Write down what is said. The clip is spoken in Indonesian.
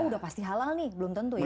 udah pasti halal nih belum tentu ya